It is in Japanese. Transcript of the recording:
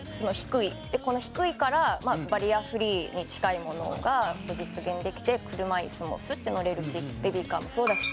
「低いからバリアフリーに近いものが実現できて車椅子もスッて乗れるしベビーカーもそうだし」